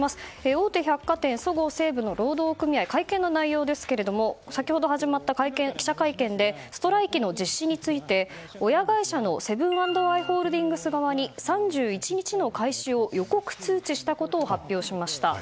大手百貨店そごう・西武の労働組合の会見の内容ですが先ほど始まった記者会見でストライキの実施について親会社のセブン＆アイ・ホールディングス側に３１日の開始を予告通知したことを発表しました。